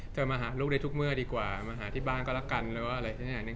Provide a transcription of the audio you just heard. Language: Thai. เธอมาหาลูกได้ทุกเมื่อดีกว่ามาหาที่บ้านก็ละกันอะไรแบบนี้